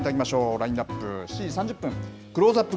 ラインナップ、７時３０分、クローズアップ